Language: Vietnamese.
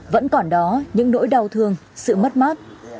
vẫn còn đó những nỗi đau thương sự mất mát